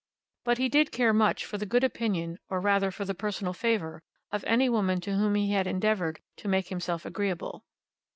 But he did care much for the good opinion, or rather for the personal favour, of any woman to whom he had endeavoured to make himself agreeable.